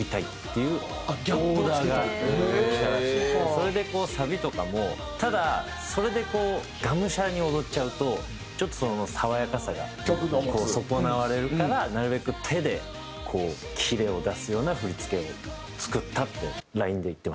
それでサビとかもただそれでこうがむしゃらに踊っちゃうとちょっと爽やかさが損なわれるからなるべく手でキレを出すような振付を作ったって。